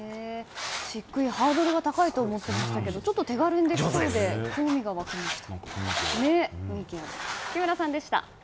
漆喰、ハードルが高いと思っていましたけどもちょっと手軽にできそうで興味が湧きました。